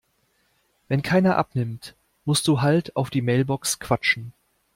Wenn keiner abnimmt, musst du halt auf die Mailbox quatschen.